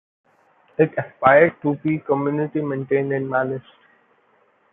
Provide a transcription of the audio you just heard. It aspired to be community maintained and managed.